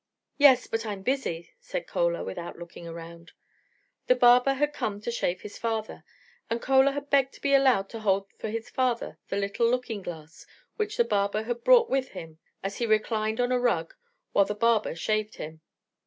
"Yes, but I'm busy," said Chola, without looking around. The barber had come to shave his father, and Chola had begged to be allowed to hold for his father the little looking glass which the barber had brought with him, as he reclined on a rug while the barber shaved him.